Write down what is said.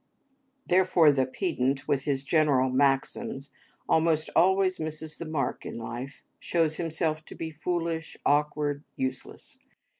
Therefore, the pedant, with his general maxims, almost always misses the mark in life, shows himself to be foolish, awkward, useless.